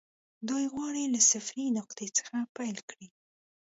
دوی غواړي له صفري نقطې څخه کار پيل کړي.